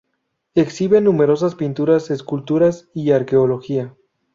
Exhibe numerosas pinturas, esculturas y arqueología.